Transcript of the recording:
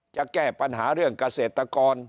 จะแก้ปัญหาเรื่องเกษตรกร